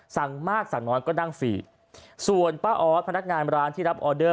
สั่งมากสั่งน้อยก็นั่งฟรีส่วนป้าออสพนักงานร้านที่รับออเดอร์